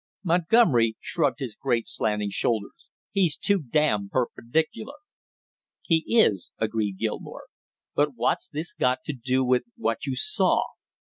Montgomery shrugged his great slanting shoulders. "He's too damn perpendicular!" "He is," agreed Gilmore. "But what's this got to do with what you saw?"